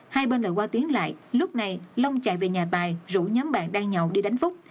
hai bên lại qua tuyến lại lúc này long chạy về nhà tài rủ nhóm bạn đan nhậu đi đánh phúc